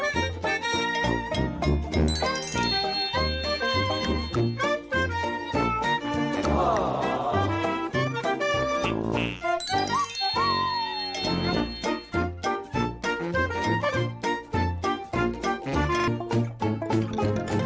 สวัสดีครับ